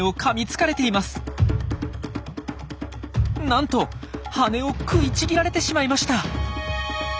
なんと羽を食いちぎられてしまいました。